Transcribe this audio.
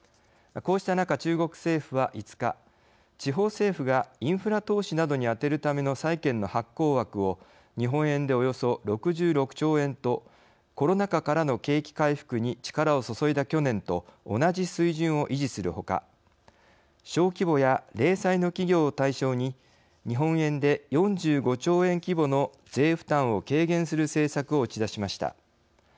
こうした中、中国政府は５日地方政府がインフラ投資などに充てるための債券の発行枠を日本円で、およそ６６兆円とコロナ禍からの景気回復に力を注いだ去年と同じ水準を維持するほか小規模や零細の企業を対象に日本円で４５兆円規模の税負担を軽減する政策を打ち出しました。